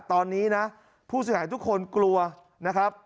ตอนนี้นะผู้เสียหายทุกคนกลัวนะครับ